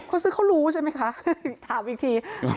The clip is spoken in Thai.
ซื้อเขารู้ใช่ไหมคะถามอีกที